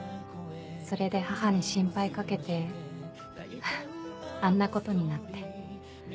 それで母に心配かけてあんなことになって。